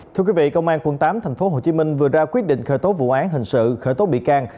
thưa quý vị công an quận tám tp hcm vừa ra quyết định khởi tố vụ án hình sự khởi tố bị can